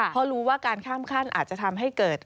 เพราะรู้ว่าการข้ามขั้นอาจจะทำให้เกิด